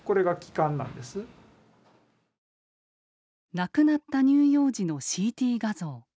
亡くなった乳幼児のＣＴ画像。